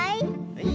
はい。